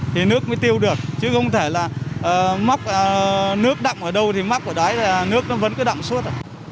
thì nước mới tiêu được chứ không thể là móc nước đậm ở đâu thì móc ở đói là nước nó vẫn cứ đậm suốt